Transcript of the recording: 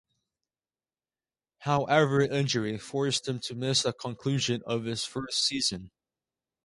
However injury forced him to miss the conclusion of his first season.